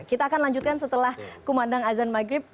kita akan lanjutkan setelah kumandang azan maghrib